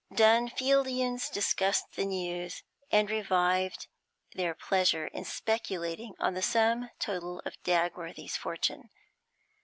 Dunfieldians discussed the news, and revived their pleasure in speculating on the sum total of Dagworthy's fortune.